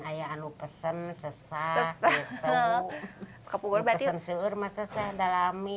saya tidak bisa pesan semua saya tidak bisa